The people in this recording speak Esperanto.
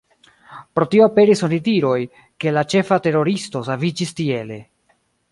Pro tio aperis onidiroj, ke la ĉefa teroristo saviĝis tiele.